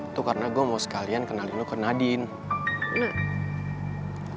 itu karena gue mau sekalian kenalin lo ke nadine